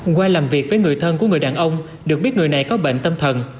qua làm việc với người thân của người đàn ông được biết người này có bệnh tâm thần